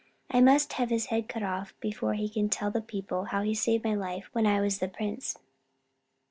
I must have his head cut off before he can tell the people how he saved my life when I was the prince."